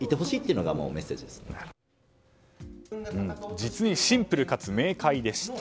実にシンプルかつ明快でした。